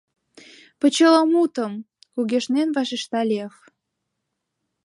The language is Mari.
— Почеламутым! — кугешнен вашешта Лев.